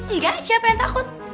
iya siapa yang takut